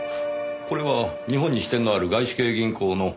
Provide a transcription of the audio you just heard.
これは日本に支店のある外資系銀行の。